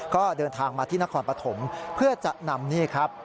ก็เดินทางมาที่นครปฐมเพื่อจะนำนี่ครับ